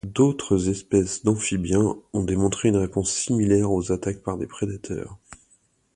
D'autres espèces d'amphibiens ont démontré une réponse similaire aux attaques par des prédateurs.